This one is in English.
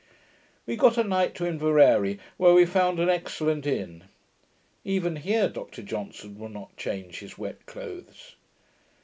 We got at night to Inveraray, where we found an excellent inn. Even here, Dr Johnson would not change his wet clothes.